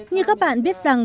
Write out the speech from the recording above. như các bạn biết rằng